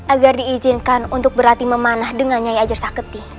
agar diizinkan untuk berlatih memanah dengan nyanyi ajar saketi